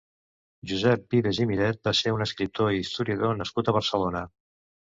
Josep Vives i Miret va ser un escriptor i historiador nascut a Barcelona.